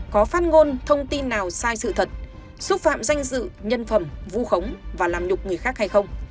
có phát ngôn thông tin nào sai sự thật xúc phạm danh dự nhân phẩm vu khống và làm nhục người khác hay không